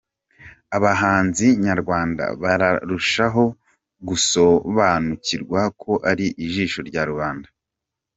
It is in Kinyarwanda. Abahanzi nyarwanda bararushaho gusobanukirwa ko ari ijisho rya rubanda.